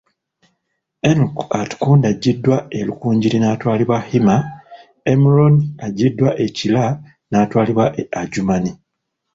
Enock Atukunda aggyiddwa e Rukungiri natwalibwa Hima, Emuron aggyiddwa e Kira naatwalibwa e Adjumani.